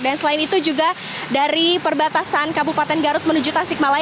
dan selain itu juga dari perbatasan kabupaten garut menuju tasik malaya